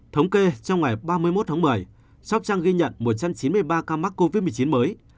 thống kê trong ngày ba mươi một tháng một mươi sóc trăng ghi nhận một trăm chín mươi ba ca mắc covid một mươi chín mới